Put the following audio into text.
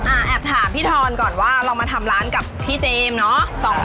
แอบถามพี่ทอนก่อนว่าเรามาทำร้านกับพี่เจมส์เนาะ